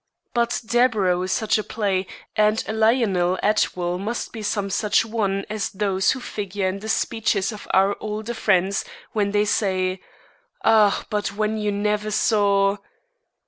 But Deburau is such a play, and Lionel Atwill must be some such one as those who figure in the speeches of our older friends when they say: "Ah, but then you never saw